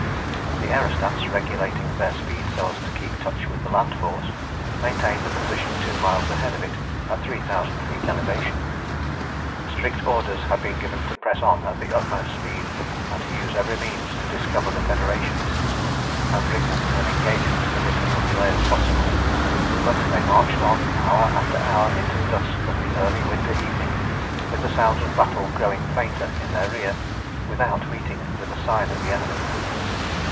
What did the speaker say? The aerostats, regulating their speed so as to keep touch with the land force, maintained a position two miles ahead of it at three thousand feet elevation. Strict orders had been given to press on at the utmost speed, and to use every means to discover the Federationists, and bring them to an engagement with as little delay as possible; but they marched on hour after hour into the dusk of the early winter evening, with the sounds of battle growing fainter in their rear, without meeting with a sign of the enemy.